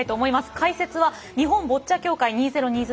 解説は日本ボッチャ協会２０２０